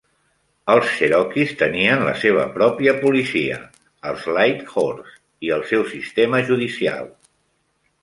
Els cherokees tenien la seva pròpia policia, els Lighthorse, i el seu sistema judicial.